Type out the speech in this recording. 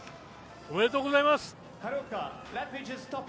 おめでとうございます！